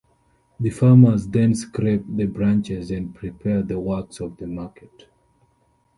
The farmers then scrape the branches, and prepare the wax of the market.